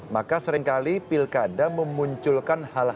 maka seringkali pilkada memunculkan hal yang tidak terlalu baik